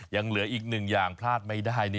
ยังเหลืออีกหนึ่งอย่างพลาดไม่ได้